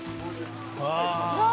うわ。